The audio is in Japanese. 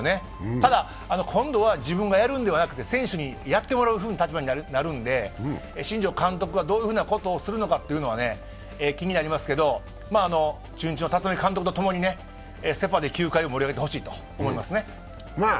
ただ、今度は自分がやるのではなく選手にやってもらう立場になるので新庄監督がどういうことをするのか気になりますが中日の立浪監督と一緒にセ・パで球界を盛り上げてほしいと思いますね。